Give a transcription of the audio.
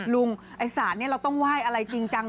ลุงไอ้ป่าวต้องว่ายอะไรจริงจัง